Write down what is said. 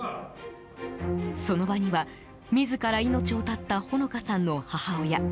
その場には自ら命を絶った穂野香さんの母親